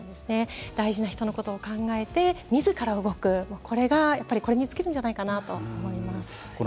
大事な人のことを考えてみずから動くこれに尽きるんじゃないかなと思います。